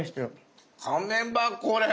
かめばこれ。